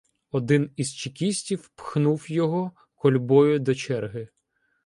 Один із чекістів пхнув його кольбою до черги.